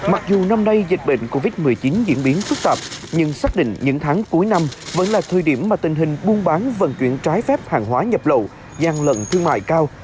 mặc dù năm nay dịch bệnh covid một mươi chín diễn biến phức tạp nhưng xác định những tháng cuối năm vẫn là thời điểm mà tình hình buôn bán vận chuyển trái phép hàng hóa nhập lậu gian lận thương mại cao